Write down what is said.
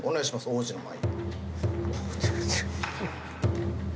王子の舞。